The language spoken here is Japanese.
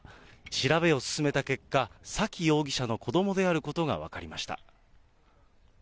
調べを進めた結果、沙喜容疑者の子どもであることが分かりました。